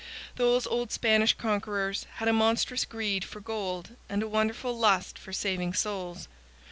Those old Spanish conquerors had a monstrous greed for gold and a wonderful lust for saving souls.